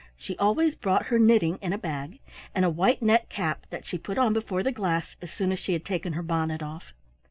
She always brought her knitting in a bag, and a white net cap that she put on before the glass as soon as she had taken her bonnet off.